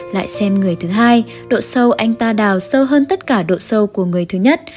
lại xem người thứ hai độ sâu anh ta đào sâu hơn tất cả độ sâu của người thứ nhất